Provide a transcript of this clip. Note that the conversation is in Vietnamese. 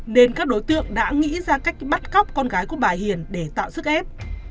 nên các đối tượng đã nghĩ ra cách bắt cóc con gái của bà hiền để tạo sức ép